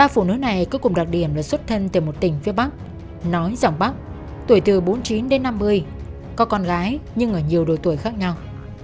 ba phụ nữ này cuối cùng đặc điểm là xuất thân từ một tỉnh phía bắc nói dòng bắc tuổi từ bốn mươi chín đến năm mươi có con gái nhưng ở nhiều độ tuổi khác nhau